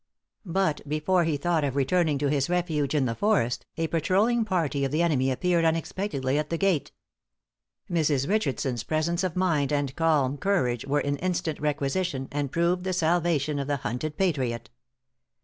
But before he thought of returning to his refuge in the forest, a patrolling party of the enemy appeared unexpectedly at the gate. Mrs. Richardson's presence of mind and calm courage were in instant requisition, and proved the salvation of the hunted patriot.